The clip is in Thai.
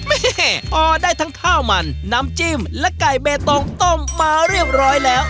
แม่พอได้ทั้งข้าวมันน้ำจิ้มและไก่เบตงต้มมาเรียบร้อยแล้ว